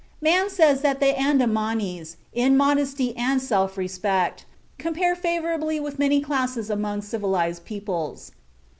Man says that the Andamanese in modesty and self respect compare favorably with many classes among civilized peoples.